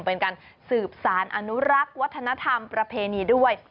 เป็นการสืบสารอนุรักษ์วัฒนธรรมประเพณีด้วย